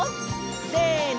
せの！